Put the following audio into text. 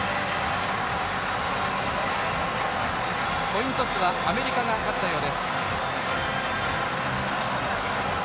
コイントスはアメリカが勝ったようです。